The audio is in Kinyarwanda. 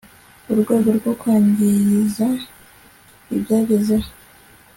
urwego rwo kwangiriza ibyagezeho